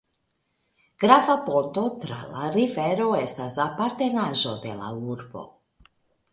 Grava ponto tra la rivero estas apartenaĵo de la urbo.